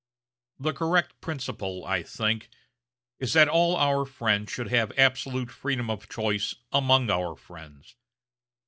The correct principle, I think, is that all our friends should have absolute freedom of choice among our friends.